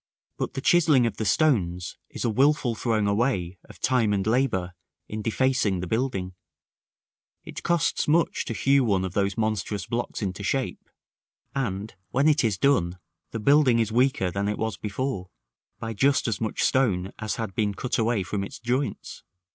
But the chiselling of the stones is a wilful throwing away of time and labor in defacing the building: it costs much to hew one of those monstrous blocks into shape; and, when it is done, the building is weaker than it was before, by just as much stone as has been cut away from its joints.